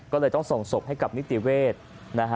ก็เลยต้องส่งศพให้กับนิติเวศนะฮะ